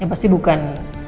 ya pasti bukan